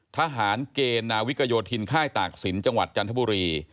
ทหารเกณฑ์นาวิกโยธินค่ายตากศิลป์จังหวัดจันทบุรี